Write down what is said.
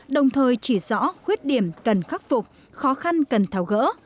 đồng thời chỉ rõ khuyết điểm cần khắc phục khó khăn cần tháo gỡ